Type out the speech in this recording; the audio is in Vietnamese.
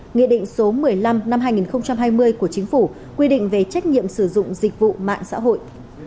nghị định số một mươi năm năm hai nghìn hai mươi của chính phủ quy định về trách nhiệm sử dụng dịch vụ mạng xã hội